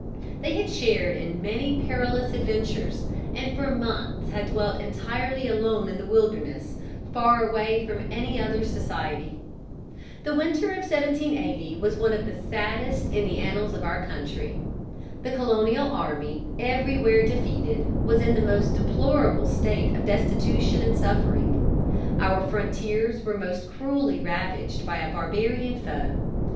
They had shared in many perilous adventures, and for months had dwelt entirely alone in the wilderness, far away from any other society. The winter of 1780 was one of the saddest in the annals of our country. The colonial army, everywhere defeated, was in the most deplorable state of destitution and suffering. Our frontiers were most cruelly ravaged by a barbarian foe.